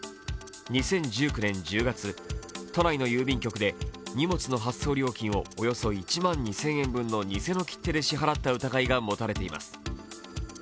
２０１９年１０月、都内の郵便局で荷物の発送料金をおよそ１万２０００円分の偽の切手で支払った疑いが持たれています。